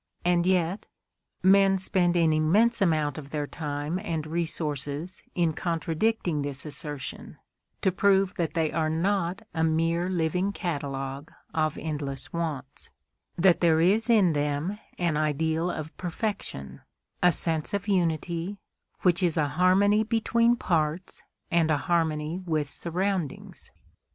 And yet men spend an immense amount of their time and resources in contradicting this assertion, to prove that they are not a mere living catalogue of endless wants; that there is in them an ideal of perfection, a sense of unity, which is a harmony between parts and a harmony with surroundings.